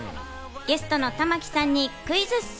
ゲストの玉木さんにクイズッス。